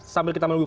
sambil kita menunggu